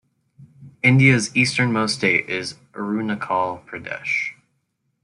India's eastern-most state is Arunachal Pradesh.